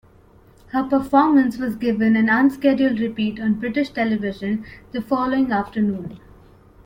Her performance was given an unscheduled repeat on British television the following afternoon.